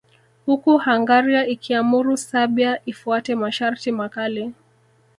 Huku Hungaria ikiamuru Serbia ifuate masharti makali